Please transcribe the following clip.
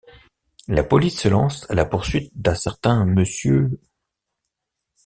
La police se lancent à la poursuite d'un certain Mr.